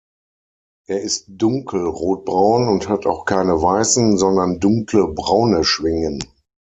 Er ist dunkel rotbraun und hat auch keine weißen, sondern dunkle, braune Schwingen.